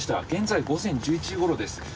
現在午前１１時ごろです。